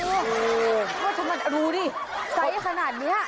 อือมันรู้ดิใสขนาดนี้